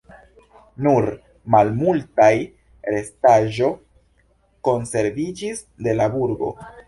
Nur malmultaj restaĵo konserviĝis de la burgo.